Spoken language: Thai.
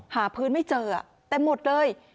หาพื้นไม่เจอเต็มหมดเลย